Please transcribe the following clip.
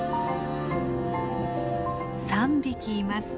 ３匹います。